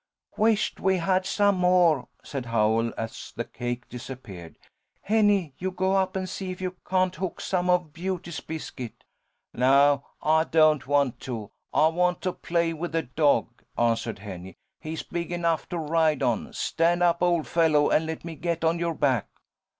"Wisht we had some more," said Howell, as the cake disappeared. "Henny, you go up and see if you can't hook some of Beauty's biscuit." "Naw! I don't want to. I want to play with the dog," answered Henny, "He's big enough to ride on. Stand up, old fellow, and let me get on your back."